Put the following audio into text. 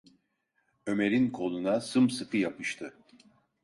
Ömer’in koluna sımsıkı yapıştı.